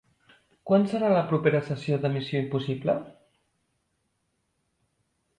Quan serà la propera sessió de Missió: Impossible?